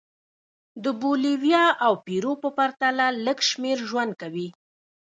د بولیویا او پیرو په پرتله لږ شمېر ژوند کوي.